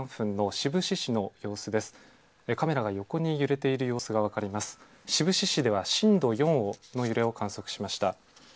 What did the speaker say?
志布志市では震度４の揺れを観測しました。